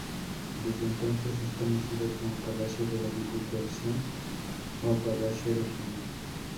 Desde entonces es conocido como Palacio de la Diputación o Palacio Regional.